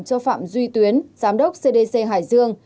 cho phạm duy tuyến giám đốc cdc hải dương